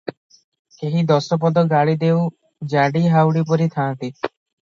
କେହି ଦଶ ପଦ ଗାଳି ଦେଉ ଜାଡ଼ି ହାଉଡ଼ି ପରି ଥାଆନ୍ତି ।